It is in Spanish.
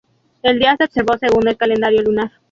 El día se observó según el calendario lunar.